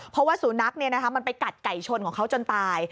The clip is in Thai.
เพราะว่าสุนัขมันไปกัดไก่ชนของเขาจนตาย